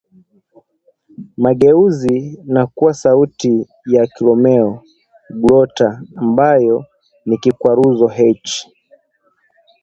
mageuzi na kuwa sauti ya koromeo/glota ambayo ni kikwaruzo "h"